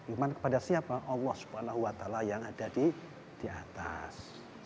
iman kepada siapa allah swt yang ada di atas